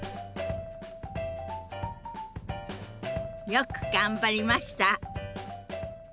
よく頑張りました！